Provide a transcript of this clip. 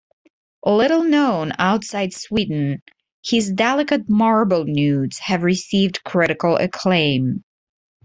Little known outside Sweden, his delicate marble nudes have received critical acclaim.